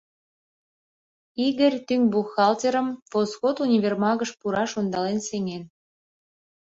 Игорь тӱҥ бухгалтерым «Восход» универмагыш пураш ондален сеҥен.